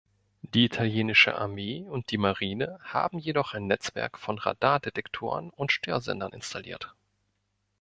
Die italienische Armee und die Marine haben jedoch ein Netzwerk von Radardetektoren und Störsendern installiert.